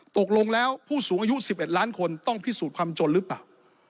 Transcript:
ตกลงแล้วผู้สูงอายุ๑๑ล้านคนต้องพิสูจน์ความจนหรือเปล่า